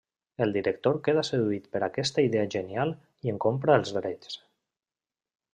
El director queda seduït per aquesta idea genial i en compra els drets.